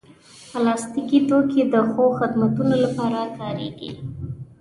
پلاستيکي توکي د ښو خدمتونو لپاره کارېږي.